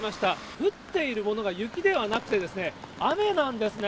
降っているものが雪ではなくてですね、雨なんですね。